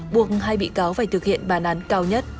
buộc hai bị cáo phải thực hiện bản án cao nhất